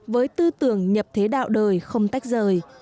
với tư tưởng nhập thế đạo đời không tách rời